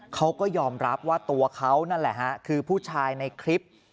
เขาก็ยอมรับว่าตัวเขานั่นแหละฮะคือผู้ชายในคลิป